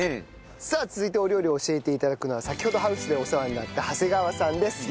さあ続いてお料理を教えて頂くのは先ほどハウスでお世話になった長谷川さんです。